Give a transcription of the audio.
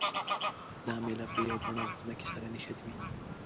دا میله په یوه بڼه ځمکې سره نښتې وي.